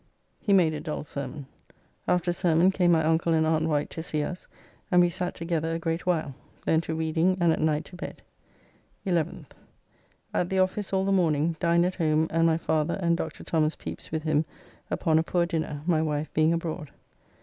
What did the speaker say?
He made a dull sermon. After sermon came my uncle and aunt Wight to see us, and we sat together a great while. Then to reading and at night to bed. 11th. At the office all the morning, dined at home and my father and Dr. Thos. Pepys with him upon a poor dinner, my wife being abroad.